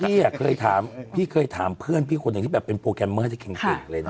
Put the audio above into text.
พี่เคยถามพี่เคยถามเพื่อนพี่คนหนึ่งที่แบบเป็นโปรแกรมเมอร์ที่เก่งเลยนะ